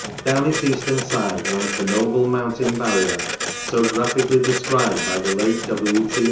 Down its eastern side runs the noble mountain barrier so graphically described by the late W.